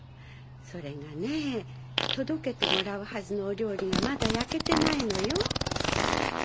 それがねぇ届けてもらうはずのお料理がまだ焼けてないのよ。